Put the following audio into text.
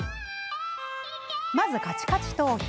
まず、カチカチ頭皮。